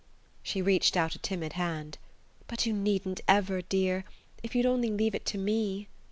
She reached out a timid hand. "But you needn't ever, dear... if you'd only leave it to me...."